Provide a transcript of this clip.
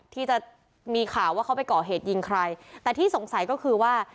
ที่จะมีข่าวว่าเขาไปก่อเหตุยิงใครแต่ที่สงสัยก็คือว่า